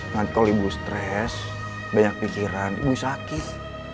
nanti kalau ibu stres banyak pikiran ibu sakit